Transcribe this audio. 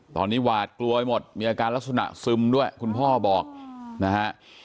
ตอนนี้หวาดกลัวหมดมีอาการลักษณะซึมด้วยคุณพ่อบอกนะฮะ